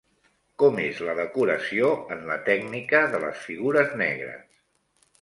Com és la decoració en la tècnica de les «figures negres»?